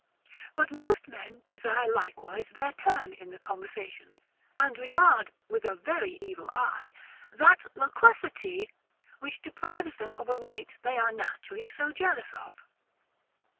But most men desire likewise their turn in the conversation, and regard, with a very evil eye, that LOQUACITY which deprives them of a right they are naturally so jealous of.